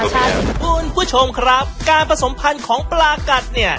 สวยกว่าให้โดนของแบบรูดชมครับการผสมพันธุ์ของปลากันเนี่ย